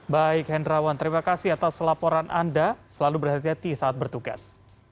baik hendrawan terima kasih atas laporan anda selalu berhati hati saat bertugas